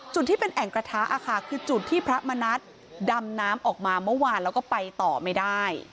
จุดที่เป็นแอ่งกระทะค่ะคือจุดที่พระมณัฐดำน้ำออกมาเมื่อวานแล้วก็ไปต่อไม่ได้